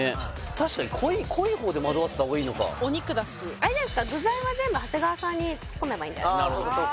確かに濃い方で惑わせた方がいいのかお肉だしあれじゃないですか具材は全部長谷川さんに突っ込めばいいんじゃないですか？